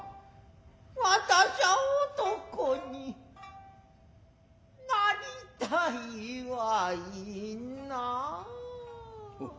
私しゃ男になりたいわいなァ。